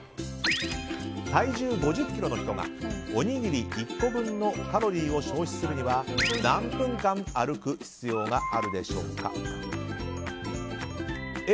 体重５０ｋｇの人がおにぎり１個分のカロリーを消費するには何分間歩く必要があるでしょうか。